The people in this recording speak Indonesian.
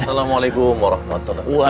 assalamualaikum warahmatullahi wabarakatuh